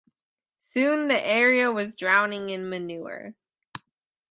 Soon the area was drowning in manure.